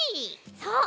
そう！